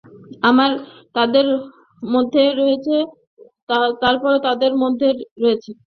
আমরা তাঁদের মধ্যে রয়েছি এবং তাঁরাও আমাদের মধ্যে রয়েছেন।